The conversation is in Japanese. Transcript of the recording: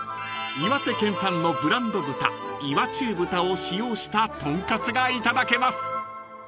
［岩手県産のブランド豚岩中豚を使用したとんかつがいただけます］